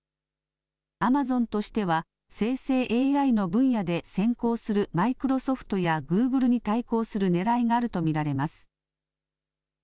アマゾンとしては生成ＡＩの分野で先行するマイクロソフトやグーグルに対抗するねらいがあると見られます。